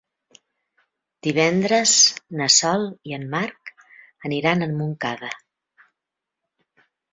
Divendres na Sol i en Marc aniran a Montcada.